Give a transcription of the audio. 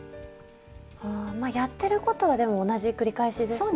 あやってることはでも同じ繰り返しですね。